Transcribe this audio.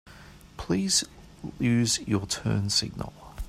Please use your turn signal.